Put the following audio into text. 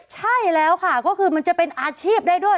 ใช่แล้วค่ะก็คือมันจะเป็นอาชีพได้ด้วย